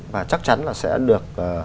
và chắc chắn là sẽ được